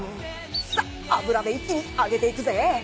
さっ油で一気に揚げていくぜ。